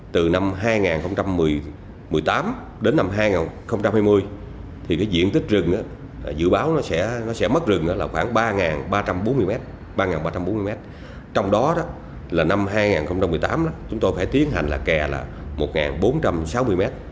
từ năm hai nghìn một mươi tám đến năm hai nghìn hai mươi diện tích rừng dự báo sẽ mất rừng khoảng ba ba trăm bốn mươi mét trong đó năm hai nghìn một mươi tám chúng tôi phải tiến hành kè một bốn trăm sáu mươi mét